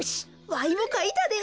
わいもかいたで。